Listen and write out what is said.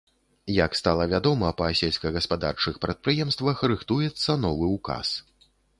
Як стала вядома, па сельскагаспадарчых прадпрыемствах рыхтуецца новы ўказ.